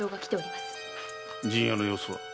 陣屋の様子は？